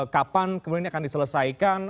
kapan kemudian ini akan diselesaikan